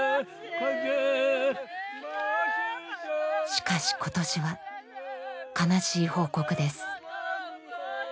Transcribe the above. しかし今年は悲しい報告です。